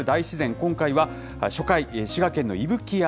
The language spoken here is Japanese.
今回は初回、滋賀県の伊吹山。